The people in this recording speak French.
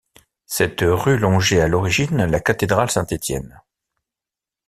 Cette rue longeait à l'origine la cathédrale Saint-Étienne.